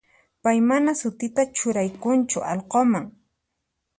Pay mana sutita churaykunchu allqunman.